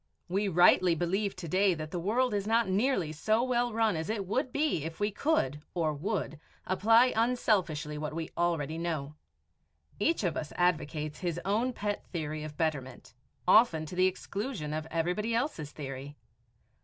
We rightly believe to day that the world is not nearly so well run as it would be if we could or would apply unselfishly what we already know. Each of us advocates his own pet theory of betterment, often to the exclusion of everybody else's theory.